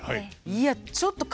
いやちょっと多分。